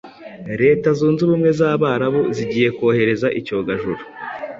Leta Zunze Ubumwe z’Abarabu zigiye kohereza icyogajuru